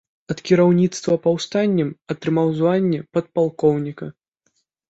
Ад кіраўніцтва паўстаннем атрымаў званне падпалкоўніка.